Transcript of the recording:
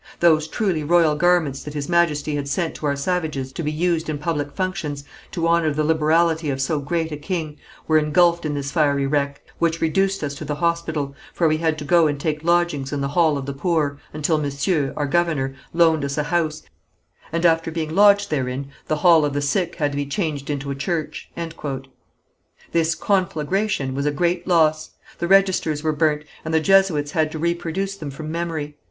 Those truly royal garments that His Majesty had sent to our savages to be used in public functions, to honour the liberality of so great a king, were engulfed in this fiery wreck, which reduced us to the hospital, for we had to go and take lodgings in the hall of the poor, until monsieur, our governor, loaned us a house, and after being lodged therein, the hall of the sick had to be changed into a church." This conflagration was a great loss. The registers were burnt, and the Jesuits had to reproduce them from memory.